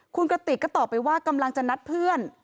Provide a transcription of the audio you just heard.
คุณกระติกก็ตอบไปว่ากำลังจะนัดเพื่อน